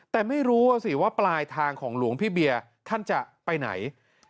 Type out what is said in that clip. แต่ไม่รู้ว่าสิว่าปลายทางของหลวงพี่เบียร์ท่านจะไปไหน